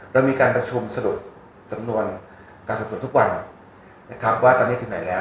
เรามีการประชุมสรุปสำนวนการสอบสวนทุกวันนะครับว่าตอนนี้ถึงไหนแล้ว